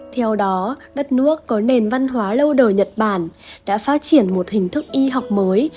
theo đó đất nước có nền văn hóa lâu đời nhật bản đã phát triển một hình thức y học mới